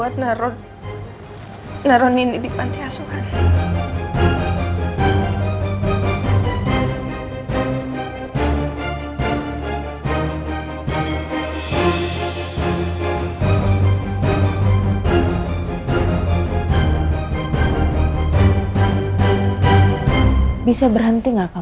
terpaksa buat naruh